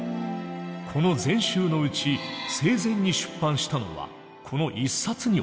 この全集のうち生前に出版したのはこの１冊に収まるほど。